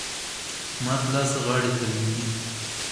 مات لاس غاړي ته لویږي .